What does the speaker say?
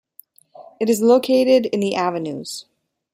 It is located in The Avenues.